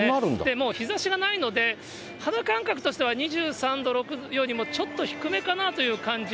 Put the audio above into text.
もう日ざしがないので、肌感覚としては２３度６分よりも、ちょっと低めかなという感じ。